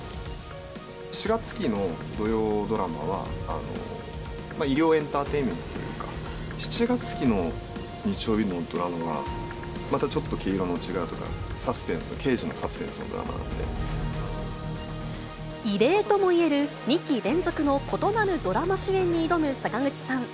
４月期の土曜ドラマは、医療エンターテインメントというか、７月期の日曜日のドラマは、またちょっと毛色の違うサスペンス、刑事のサスペンスのドラマな異例ともいえる、２期連続の異なるドラマ主演に挑む坂口さん。